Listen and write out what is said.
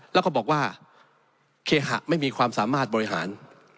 แล้วก็บอกว่าเคหะไม่มีความสามารถบริหาร